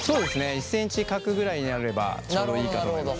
１センチ角ぐらいになればちょうどいいかと思います。